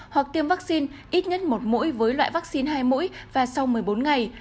hoặc tiêm vaccine ít nhất một mũi với loại vaccine hai mũi và sau một mươi bốn ngày